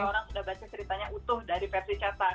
orang sudah baca ceritanya utuh dari versi catan